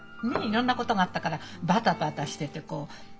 いろんなことがあったからバタバタしててこう。